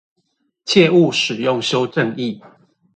切勿使用修正液